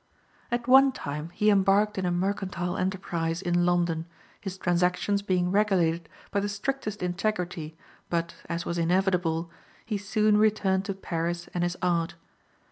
At one time he embarked in a mercantile enterprise, in London, his transactions being regulated by the strictest integrity, but, as was inevitable, he soon returned to Paris and his art.